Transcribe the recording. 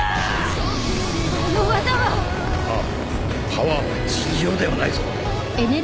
パワーは尋常ではないぞ。